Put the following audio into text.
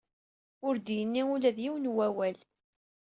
Ur d-yenni ula d yiwen n wawal.